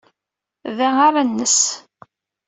Da ara nens.